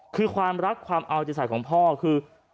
คือความรักความเอาใจใส่ของพ่อคือ